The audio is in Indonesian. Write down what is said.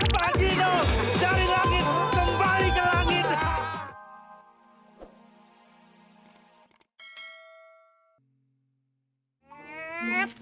pak gino dari langit kembali ke langit